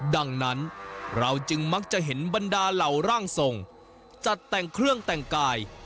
ดังนั้นเราจึงมักจะเห็นบรรดาเหล่าร่างทรงจัดแต่งเครื่องแต่งกาย